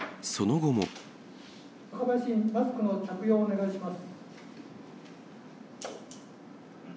若林議員、マスクの着用をお願いします。